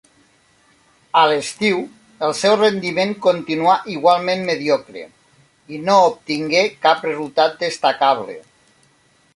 A l'estiu, el seu rendiment continuà igualment mediocre i no obtingué cap resultat destacable.